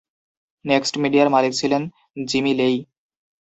Next মিডিয়ার মালিক ছিলেন জিমি লেই।